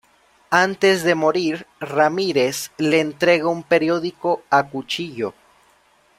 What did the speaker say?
Antes de morir, Ramírez le entrega un periódico a Cuchillo.